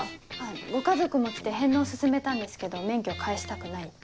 ご家族も来て返納を勧めたんですけど免許返したくないって。